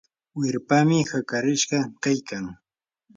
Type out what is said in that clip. wirpami hakarishqa kaykan.